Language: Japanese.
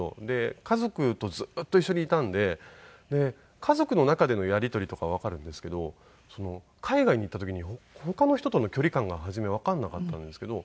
家族とずっと一緒にいたんで家族の中でのやり取りとかはわかるんですけど海外に行った時に他の人との距離感が初めわかんなかったんですけど。